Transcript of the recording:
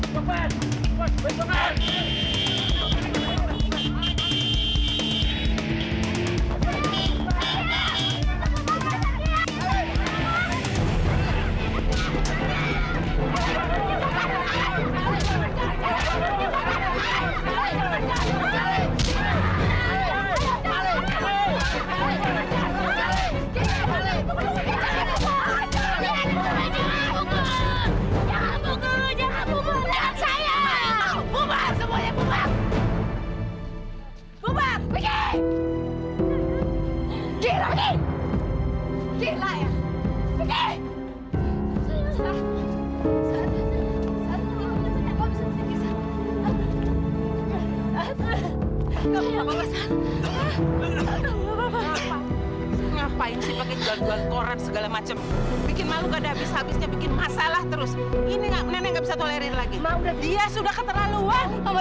sampai jumpa di video selanjutnya